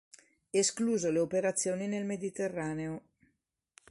Escluso le Operazioni nel Mediterraneo.